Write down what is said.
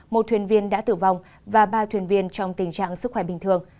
một thuyền viên đã tử vong và ba thuyền viên trong tình trạng sức khỏe bình thường